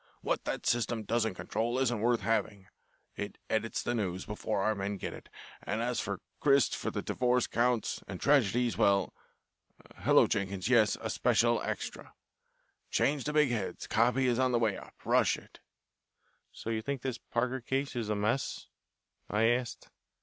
What that System doesn't control isn't worth having it edits the news before our men get it, and as for grist for the divorce courts, and tragedies, well Hello, Jenkins, yes, a special extra. Change the big heads copy is on the way up rush it." "So you think this Parker case is a mess?" I asked.